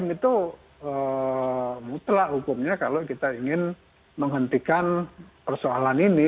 itu mutlak hukumnya kalau kita ingin menghentikan persoalan ini